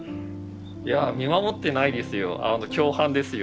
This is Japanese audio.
いや見守ってないですよ。